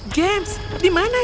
james di mana